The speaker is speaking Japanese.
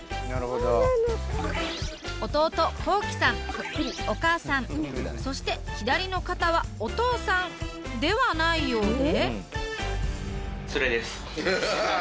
夜は亀谷さんのそして左の方はお父さんではないようで。